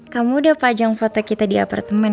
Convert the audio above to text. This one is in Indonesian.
kamu udah pajang foto kita di apartemen